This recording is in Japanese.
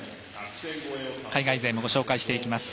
海外勢もご紹介していきます。